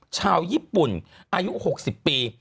ชาวญี่ปุ่นอายุ๖๐ปี